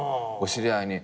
知り合いに。